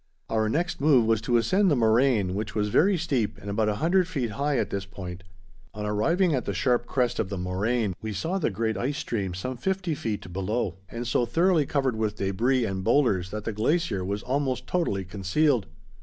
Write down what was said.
Our next move was to ascend the moraine, which was very steep and about a hundred feet high at this point. On arriving at the sharp crest of the moraine, we saw the great ice stream some fifty feet below, and so thoroughly covered with debris and boulders that the glacier was almost totally concealed.